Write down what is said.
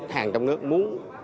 hàng trong nước muốn